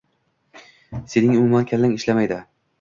“Sening umuman kallang ishlamaydi”.